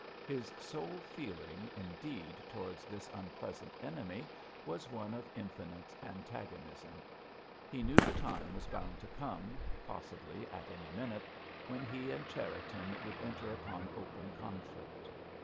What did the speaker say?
His sole feeling indeed towards this unpleasant enemy was one of infinite antagonism. He knew the time was bound to come, possibly at any minute, when he and Cherriton would enter upon open conflict.